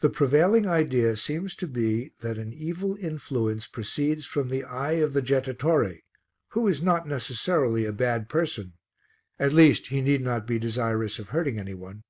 The prevailing idea seems to be that an evil influence proceeds from the eye of the jettatore who is not necessarily a bad person, at least he need not be desirous of hurting any one.